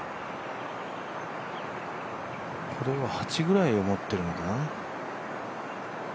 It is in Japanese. これは８ぐらいを持ってるのかな？